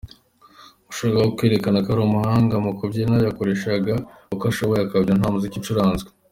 Uwashakaga kwerekana ko ari umuhanga mu kubyina, yakoreshaga uko ashoboye akabyina nta muziki ucuranzwe.